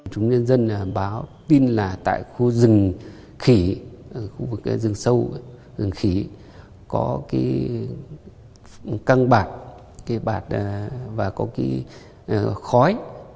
chúng nhân dân báo tin là tại khu rừng khỉ khu vực rừng sâu rừng khỉ có cái căng bạc cái bạc và có cái khói